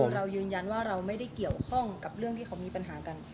คือเรายืนยันว่าเราไม่ได้เกี่ยวข้องกับเรื่องที่เขามีปัญหากัน